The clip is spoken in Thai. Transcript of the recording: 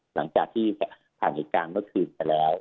หลังจากที่ผ่านเหตุการณ์เมื่อคืนไปแล้ว